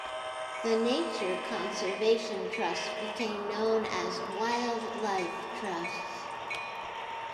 The Nature Conservation Trusts became known as Wildlife Trusts.